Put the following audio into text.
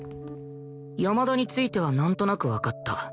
山田についてはなんとなくわかった